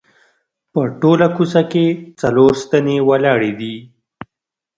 په ټوله کوڅه کې څلور ستنې ولاړې دي.